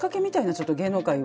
ちょっと芸能界を。